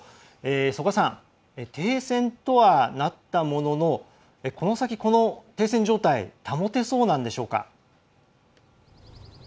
曽我さん、停戦とはなったもののこの先、この停戦状態保てそうなんでしょうか？